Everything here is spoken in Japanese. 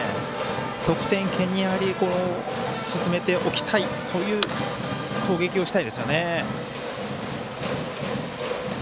得点圏に進めておきたいそういう攻撃をしたいですよね。